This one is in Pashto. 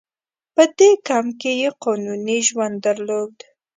په دې کمپ کې یې قانوني ژوند درلود.